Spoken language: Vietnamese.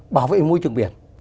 bảo vệ môi trường biển